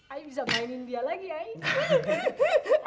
ayah bisa mainin dia lagi ayah